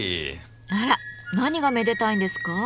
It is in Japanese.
あら何がめでたいんですか？